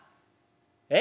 「え？」。